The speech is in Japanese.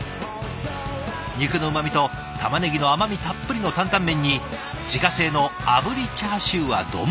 肉のうまみとたまねぎの甘みたっぷりの担々麺に自家製のあぶりチャーシューは丼で。